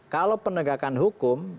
kalau penegakan hukum